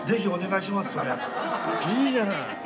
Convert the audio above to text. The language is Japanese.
いいじゃない。